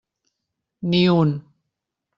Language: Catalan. Ni un.